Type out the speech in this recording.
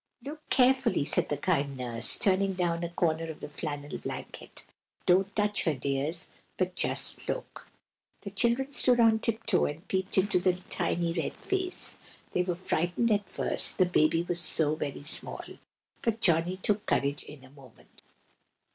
"LOOK carefully!" said the kind Nurse, turning down a corner of the flannel blanket. "Don't touch her, dears, but just look." The children stood on tiptoe and peeped into the tiny red face. They were frightened at first, the baby was so very small, but Johnny took courage in a moment.